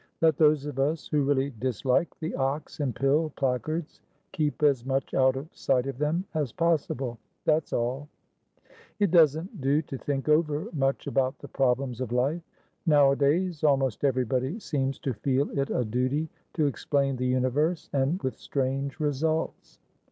Let those of us who really dislike the ox and pill placards, keep as much out of sight of them as possible, that's all. It doesn't do to think over much about the problems of life. Nowadays almost everybody seems to feel it a duty to explain the universe, and with strange results.